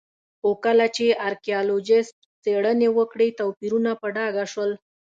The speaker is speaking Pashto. خو کله چې ارکيالوجېسټ څېړنې وکړې توپیرونه په ډاګه شول